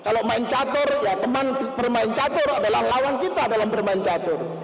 kalau main catur ya teman bermain catur adalah lawan kita dalam bermain catur